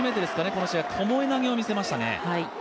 この試合、ともえ投げを見せましたね。